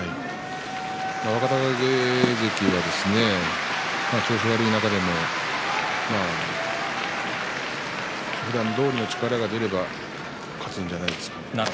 若隆景関は調子が悪い中でもふだんどおりの力が出れば勝つんじゃないですかね。